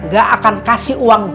gak akan kasih uang